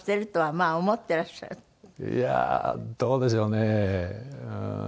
いやあどうでしょうね。